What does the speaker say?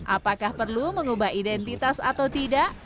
apakah perlu mengubah identitas atau tidak